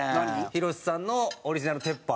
ヒロシさんのオリジナル鉄板。